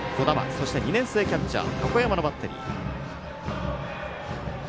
そして２年生キャッチャー箱山のバッテリー。